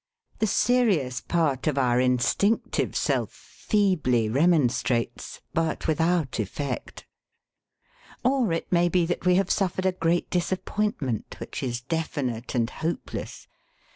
The serious part of our instinctive self feebly remonstrates, but without effect. Or it may be that we have suffered a great disappointment, which is definite and hopeless.